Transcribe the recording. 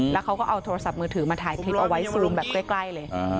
แล้วเขาก็เอาโทรศัพท์มือถือมาถ่ายคลิปเอาไว้ซูมแบบใกล้เลย